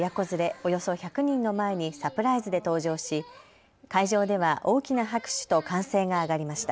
およそ１００人の前にサプライズで登場し会場では大きな拍手と歓声が上がりました。